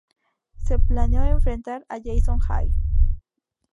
Se planeó enfrentar a Jason High.